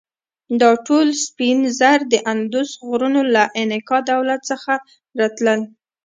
دا ټول سپین زر د اندوس غرونو له انکا دولت څخه راتلل.